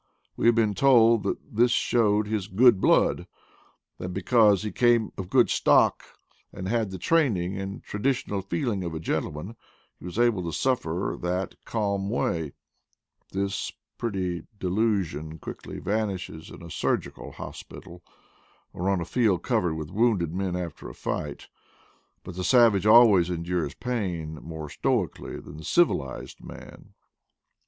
We have been told that this showed his good blood : that because he came of a good stock, and had the training and traditional feelings of a gentleman, he was able to suffer in that calm way. This pretty delusion quickly vanishes in a surgical hospital, or on a field covered with wounded men after a fight. But the savage always endures pain more stoically than the civilized man.